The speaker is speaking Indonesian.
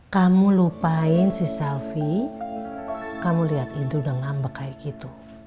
kamu lupain si selfie kamu lihat itu udah ngambek kayak gitu